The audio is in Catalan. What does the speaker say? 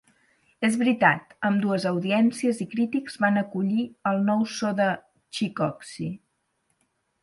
És veritat, ambdues audiències i crítics van acollir el nou so de ChicoSci.